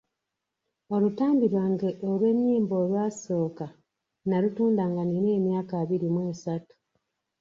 Olutambi lwange olw'ennyimba olwasooka nalutunda nga nnina emyaka abiri mu esatu.